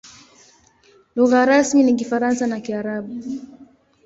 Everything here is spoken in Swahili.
Lugha rasmi ni Kifaransa na Kiarabu.